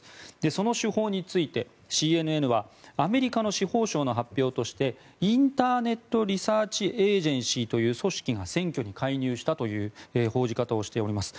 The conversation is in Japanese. その手法についてＣＮＮはアメリカの司法省の発表としてインターネット・リサーチ・エージェンシーという組織が選挙に介入したという報じ方をしております。